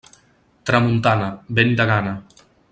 Tramuntana, vent de gana.